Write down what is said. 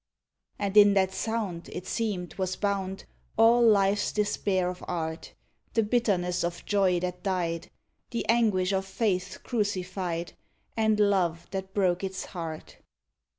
And in that sound, it seemed, was bound All life's despair of art; The bitterness of joy that died; The anguish of faith's crucified; And love that broke its heart.